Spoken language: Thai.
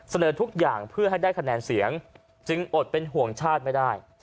เสนอทุกอย่างเพื่อให้ได้คะแนนเสียงจึงอดเป็นห่วงชาติไม่ได้